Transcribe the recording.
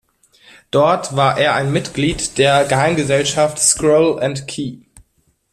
Dort war er ein Mitglied der Geheimgesellschaft Scroll and Key.